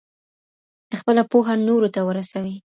خپله پوهه نورو ته ورسوئ.